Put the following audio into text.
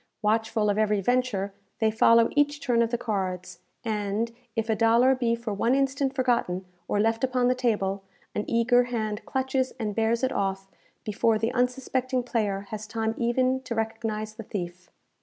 Watchful of every venture, they follow each turn of the cards, and, if a dollar be for one instant forgotten or left upon the table, an eager hand clutches and bears it off before the unsuspecting player has time even to recognize the thief.